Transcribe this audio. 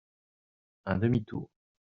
Un demi tour.